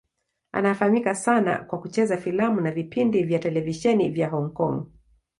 Anafahamika sana kwa kucheza filamu na vipindi vya televisheni vya Hong Kong.